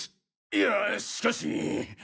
いやしかし。